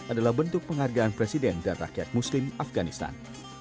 adalah bentuk penghargaan presiden dan rakyat muslim afganistan